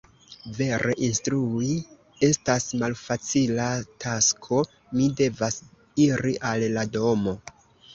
Vere, instrui estas malfacila tasko. Mi devas iri al la domo.